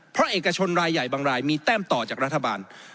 เพราะเอกชนรายใหญ่บางรายมีแต้มต่อจากรัฐบาล